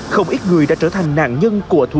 không ít người đã trở thành nạn nhân của tài khoản